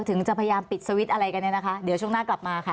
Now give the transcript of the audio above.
ถึงจะพยายามปิดสวิตช์อะไรกันเนี่ยนะคะเดี๋ยวช่วงหน้ากลับมาค่ะ